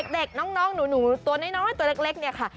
เด็กน้องหนูตัวน้อยตัวเล็กเนี่ยค่ะ